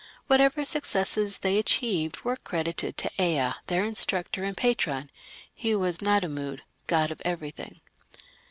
Whatever successes they achieved were credited to Ea, their instructor and patron; he was Nadimmud, "god of everything".